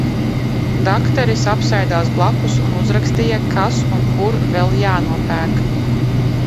Dakteris apsēdās blakus un uzrakstīja, kas un kur vēl jānopērk.